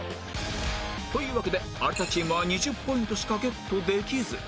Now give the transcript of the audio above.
というわけで有田チームは２０ポイントしかゲットできず